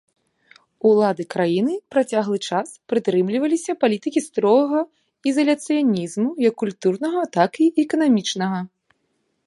Улады краіны працяглы час прытрымліваліся палітыкі строгага ізаляцыянізму, як культурнага так і эканамічнага.